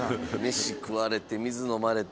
飯食われて水飲まれて。